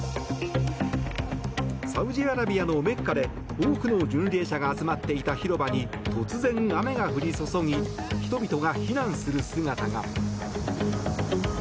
サウジアラビアのメッカで多くの巡礼者が集まっていた広場に突然、雨が降り注ぎ人々が避難する姿が。